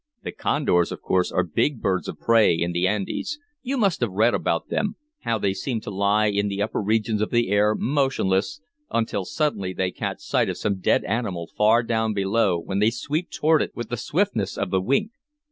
"The condors, of course, are big birds of prey in the Andes. You must have read about them; how they seem to lie in the upper regions of the air, motionless, until suddenly they catch sight of some dead animal far down below when they sweep toward it with the swiftness of the wink.